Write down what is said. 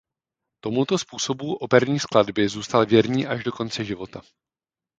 Tomuto způsobu operní skladby zůstal věrný až do konce života.